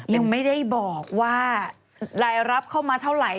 ยังไม่ได้บอกว่ารายรับเข้ามาเท่าไหร่